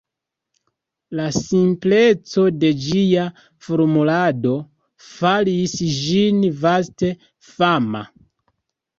La simpleco de ĝia formulado faris ĝin vaste fama.